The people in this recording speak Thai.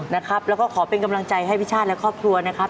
นะครับแล้วก็ขอเป็นกำลังใจให้พี่ชาติและครอบครัวนะครับ